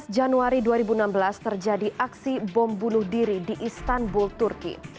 dua belas januari dua ribu enam belas terjadi aksi bom bunuh diri di istanbul turki